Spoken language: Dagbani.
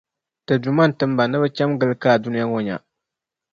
Ti Duuma n-tim ba ni bɛ cham’ gili kaai dunia ŋɔ nya.